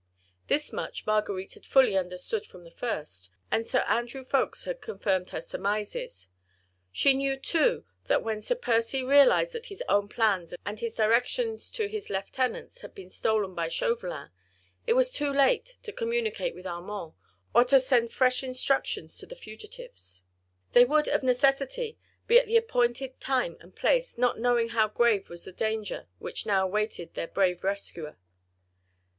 This much Marguerite had fully understood from the first, and Sir Andrew Ffoulkes had confirmed her surmises. She knew, too, that when Sir Percy realised that his own plans and his directions to his lieutenants had been stolen by Chauvelin, it was too late to communicate with Armand, or to send fresh instructions to the fugitives. They would, of necessity, be at the appointed time and place, not knowing how grave was the danger which now awaited their brave rescuer.